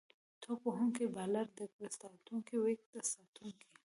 توپ وهونکی، بالر، ډګرساتونکی، ويکټ ساتونکی